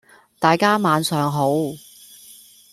大家晚上好！